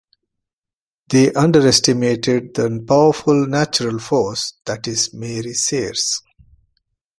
They underestimated the powerful natural force that is Mary Sears.